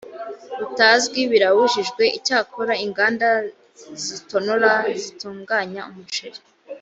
butazwi birabujijwe icyakora inganda zitonora zitunganya umuceri